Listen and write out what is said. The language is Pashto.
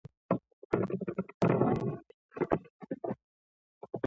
فعالیت فاعلیت واحد خدای ارادې دایره کې دي.